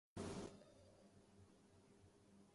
نہ ہو بہ ہرزہ روادارِ سعیء بے ہودہ